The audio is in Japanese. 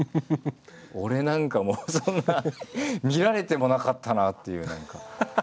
俺なんかそんな見られてもなかったなっていう。